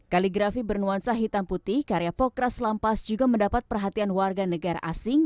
kaleigrafi bernuansa hitam putih karya pokra selampas juga mendapat perhatian warga negara asing